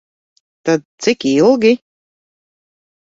Tad cik ilgi?